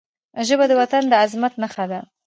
ژبه د وطن د عظمت نښه ده